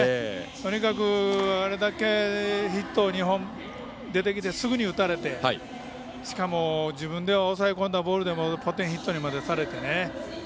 とにかくあれだけヒットを２本、出てきてすぐに打たれて、しかも自分では抑え込んだボールでもポテンヒットにされてね。